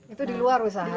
itu di luar usaha ini